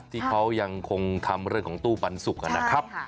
ที่เขายังคงทำเรื่องของตู้ปันสุกนะครับ